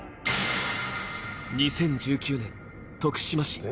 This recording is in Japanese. ２０１９年、徳島市。